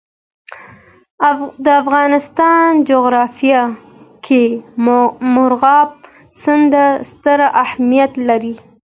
د افغانستان جغرافیه کې مورغاب سیند ستر اهمیت لري.